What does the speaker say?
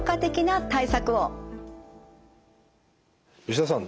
吉田さん